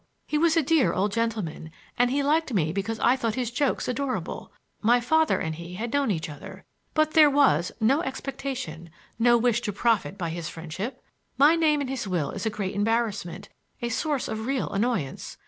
He was a dear old gentleman; and he liked me because I thought his jokes adorable. My father and he had known each other. But there was—no expectation—no wish to profit by his friendship. My name in his will is a great embarrassment, a source of real annoyance.